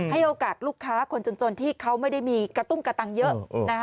ให้โอกาสลูกค้าคนจนที่เขาไม่ได้มีกระตุ้งกระตังเยอะ